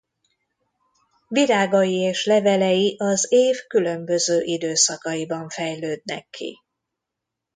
Virágai és levelei az év különböző időszakaiban fejlődnek ki.